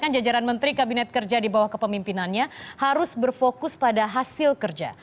jajaran menteri kabinet kerja di bawah kepemimpinannya harus berfokus pada hasil kerja